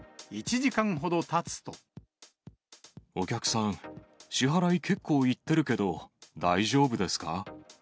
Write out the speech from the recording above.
お客さん、支払い結構いってるけど大丈夫ですか？